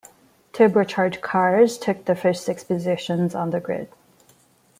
Turbocharged cars took the first six positions on the grid.